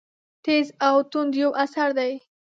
تېز او توند یو اثر دی.